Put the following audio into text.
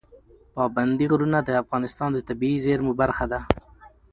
پابندی غرونه د افغانستان د طبیعي زیرمو برخه ده.